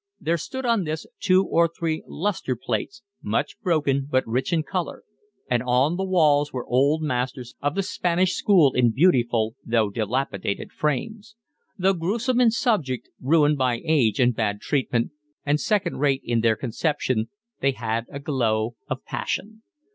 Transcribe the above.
There stood on this two or three lustre plates, much broken but rich in colour; and on the walls were old masters of the Spanish school in beautiful though dilapidated frames: though gruesome in subject, ruined by age and bad treatment, and second rate in their conception, they had a glow of passion.